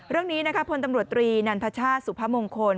เรื่องนี้พลตำรวจตรีนันทชาติสุพมงคล